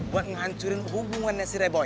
buat ngancurin hubungannya si reboy